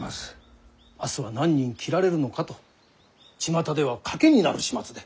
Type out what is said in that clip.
明日は何人斬られるのかとちまたでは賭けになる始末で。